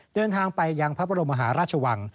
เดินทางไปยังพระบรมมหาราชวัง